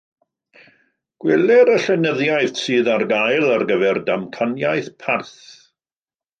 Gweler y llenyddiaeth sydd ar gael ar gyfer damcaniaeth parth.